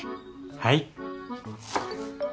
はい。